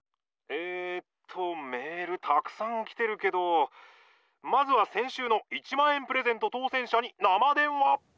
「えっとメールたくさん来てるけどまずは先週の１万円プレゼント当選者に生電話」。